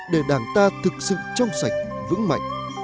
để đảng ta thực sự trong sạch vững mạnh